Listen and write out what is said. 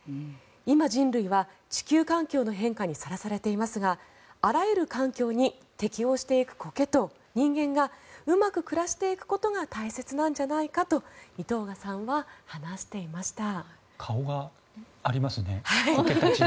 今、人類は地球環境の変化にさらされていますがあらゆる環境に適応していくコケと、人間がうまく暮らしていくことが大切なんじゃないかと井藤賀さんは話していました。